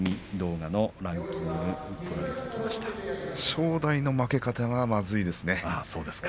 正代の負け方はまずいですね。